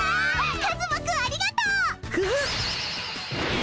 カズマくんありがとう！グッ！